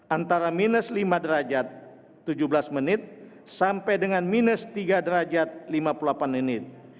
antara minus lima derajat tujuh belas menit sampai dengan minus tiga derajat lima puluh delapan menit